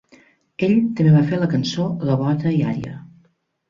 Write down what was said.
Ell també va fer la cançó gavota i ària.